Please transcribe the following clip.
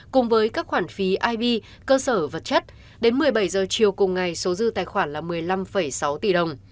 hai nghìn hai mươi ba hai nghìn hai mươi bốn cùng với các khoản phí ib cơ sở vật chất đến một mươi bảy h chiều cùng ngày số dư tài khoản là một mươi năm sáu tỷ đồng